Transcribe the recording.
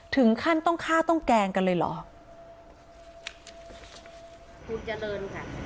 ถึงขั้นต้องฆ่าต้องแกล้งกันเลยเหรอ